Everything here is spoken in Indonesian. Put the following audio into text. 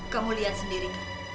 kamu lihat sendiri